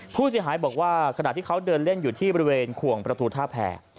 ผู้เสียหายบอกว่าขณะที่เขาเดินเล่นอยู่ที่บริเวณขวงประตูท่าแผ่